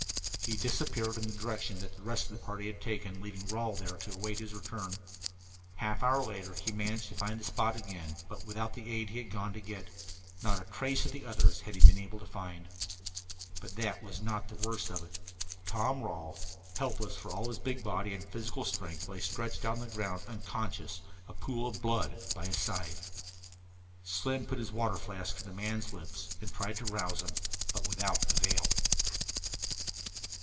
He disappeared in the direction that the rest of the party had taken, leaving Rawle there to await his return. Half an hour later he managed to find the spot again, but without the aid he had gone to get. Not a trace of the others had he been able to find. But that was not the worst of it. Tom Rawle, helpless for all his big body and physical strength, lay stretched out upon the ground unconscious, a pool of blood by his side! Slim put his water flask to the wounded man's lips and tried to rouse him, but without avail.